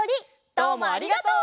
どうもありがとう。